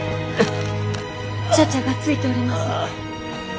茶々がついております。